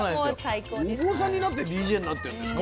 お坊さんになってＤＪになってるんですか？